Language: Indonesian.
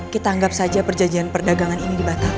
kita anggap saja perjanjian perdagangan ini dibatalkan